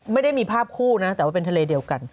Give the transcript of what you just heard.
ไม่ได้มีภาพคู่นะแต่ว่าเป็นทะเลเดียวกัน